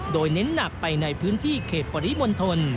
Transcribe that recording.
โดยเน้นหนักไปในพื้นที่เขตปริมณฑล